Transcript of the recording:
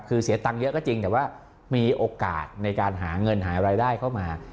คือเสียตังค์เยอะก็จริงแต่ว่ามีโอกาสในการหาเงินหารายได้เข้ามา